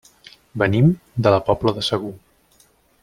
Venim de la Pobla de Segur.